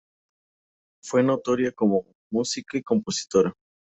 Fue notoria como música y compositora.